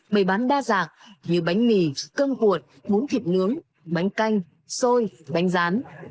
bày bán đa dạng như bánh mì cơm cuột bún thịt nướng bánh canh xôi bánh rán